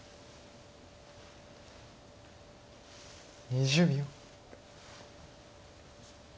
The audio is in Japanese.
２０秒。